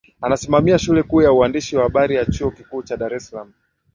anasimamia shule kuu ya uandishi wa habari ya chuo kikuu cha dar es salaam